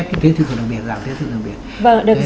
cái thuế tiêu thụ đặc biệt giảm cái thuế tiêu thụ đặc biệt